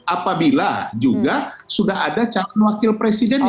apabila juga sudah ada calon wakil presidennya